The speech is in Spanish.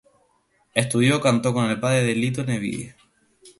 Estudió canto con el padre de Lito Nebbia.